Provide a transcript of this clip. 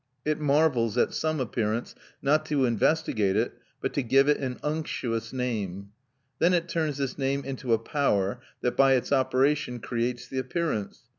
It marvels at some appearance, not to investigate it, but to give it an unctuous name. Then it turns this name into a power, that by its operation creates the appearance.